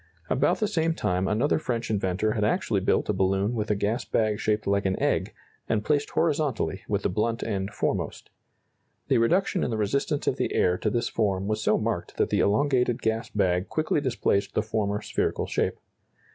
About the same time another French inventor had actually built a balloon with a gas bag shaped like an egg and placed horizontally with the blunt end foremost. The reduction in the resistance of the air to this form was so marked that the elongated gas bag quickly displaced the former spherical shape.